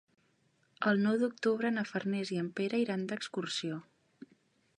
El nou d'octubre na Farners i en Pere iran d'excursió.